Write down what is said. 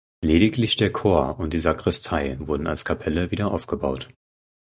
Lediglich der Chor und die Sakristei wurden als Kapelle wiederaufgebaut.